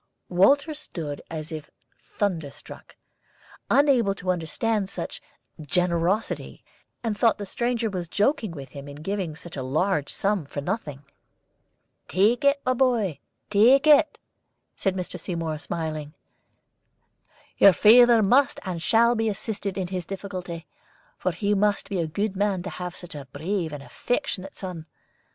Walter stood as if thunder struck, unable to understand such generosity, and thought the stranger was joking with him in giving such a large sum for nothing. "Take it, my boy take it," said Mr. Seymour, smiling. "Your father must and shall be assisted in his difficulty, for he must be a good man to have such a brave and affectionate son.